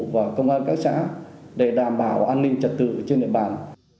và công an các xã để đảm bảo an ninh trật tự trên địa bàn